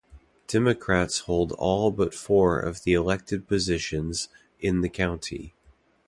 Democrats hold all but four of the elected positions in the county.